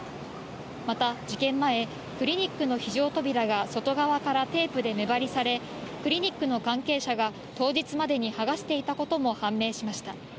また事件前、クリニックの非常扉が外側からテープで目張りされ、クリニックの関係者が当日までに剥がしていたことも判明しました。